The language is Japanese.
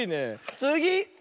つぎ！